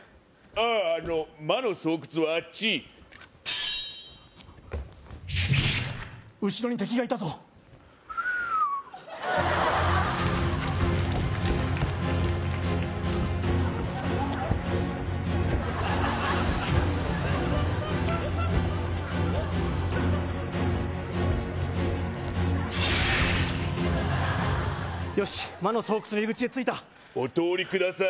ああの魔の巣窟はあっち後ろに敵がいたぞよし魔の巣窟の入り口へ着いたお通りください